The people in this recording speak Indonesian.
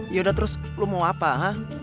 yaudah terus lo mau apa ha